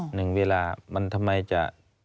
หนึ่งเวลามันทำไมจะ